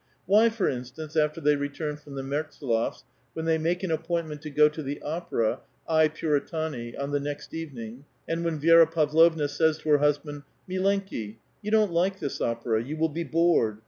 Why, for instance, after they returned from the Meitsdiofs when the}* make an rvpix)intment to go to the opera, "I Pui a tani," on the next evening, and when Vi^ra Pavlovna said her husband, *'*' Milenki^ yon don't like this opera, you will be bored.